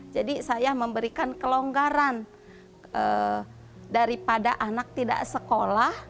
saya memberikan kelonggaran daripada anak tidak sekolah